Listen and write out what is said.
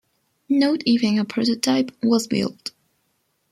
Not even a prototype was built.